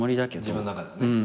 自分の中ではね。